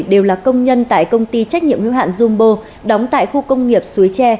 đều là công nhân tại công ty trách nhiệm nguyên hạn jumbo đóng tại khu công nghiệp suối tre